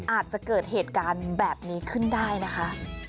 อาจจะเกิดเหตุการณ์แบบนี้ขึ้นได้นะคะ